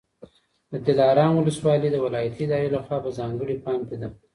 د دلارام ولسوالي د ولایتي ادارې لخوا په ځانګړي پام کي ده